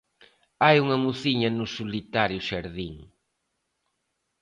Hai unha mociña no solitario xardín.